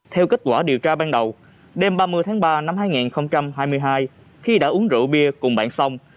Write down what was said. theo kết quả điều tra ban đầu đêm ba mươi tháng ba năm hai nghìn hai mươi hai khi đã uống rượu bia cùng bạn xong